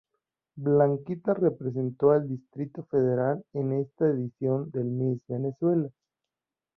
Blanquita representó al Distrito Federal en esta edición del Miss Venezuela.